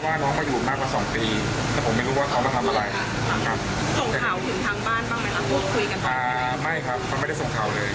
ไม่ครับเจ้าไม่ได้ส่งข่าวเลย